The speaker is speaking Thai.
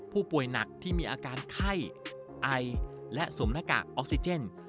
ผู้ป่วยหนักที่มีอาการไข้ไอและสวมหน้ากากออกซิเจน